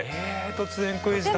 突然クイズだ。